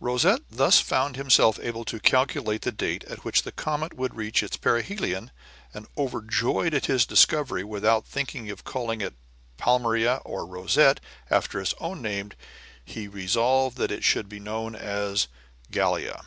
Rosette thus found himself able to calculate the date at which the comet would reach its perihelion, and, overjoyed at his discovery, without thinking of calling it Palmyra or Rosette, after his own name, he resolved that it should be known as Gallia.